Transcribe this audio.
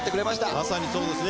まさにそうですね